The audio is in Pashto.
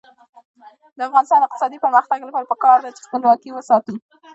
د افغانستان د اقتصادي پرمختګ لپاره پکار ده چې خپلواکي وساتو.